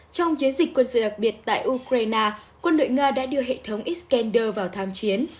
trong chiến dịch quân sự đặc biệt tại ukraine quân đội nga đã đưa hệ thống ecelders vào tham chiến